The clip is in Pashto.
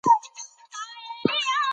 آیا نن په رښتیا د پنجشنبې مبارکه ورځ ده؟